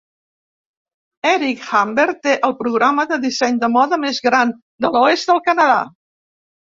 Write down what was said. Eric Hamber té el programa de disseny de moda més gran de l'oest del Canadà.